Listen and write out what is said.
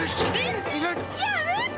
ややめて！